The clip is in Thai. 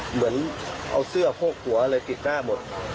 เหมือนเอาเสื้อโพกหัวอะไรติดหน้าหมด